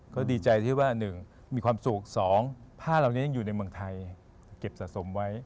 ก็ดีใจที่ว่า๑มีความสุข๒ผ้าเหล่านี้ยังอยู่ในเมืองไทยเก็บสะสมไว้